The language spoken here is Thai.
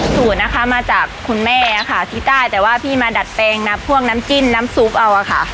สูตรนะคะมาจากคุณแม่ค่ะที่ใต้แต่ว่าพี่มาดัดแปลงนับพวกน้ำจิ้มน้ำซุปเอาอะค่ะ